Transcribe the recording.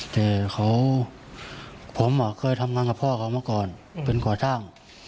แต่เขาผมอ่ะเคยทำงานกับพ่อเขาเมื่อก่อนเป็นกว่าช่าง